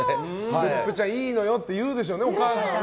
別府ちゃん、いいのよって言うでしょうね、お母さんは。